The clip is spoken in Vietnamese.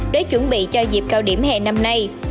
để chuẩn bị cho dịp cao điểm hè năm nay